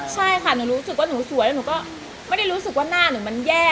ใช่ค่ะหนูรู้สึกว่าหนูสวยแล้วหนูก็ไม่ได้รู้สึกว่าหน้าหนูมันแย่